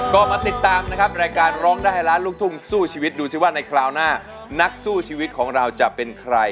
ก็มาติดตามนะครับรายการร้องได้ให้ล้านลูกทุ่งสู้ชีวิตดูสิว่าในคราวหน้านักสู้ชีวิตของเราจะเป็นใคร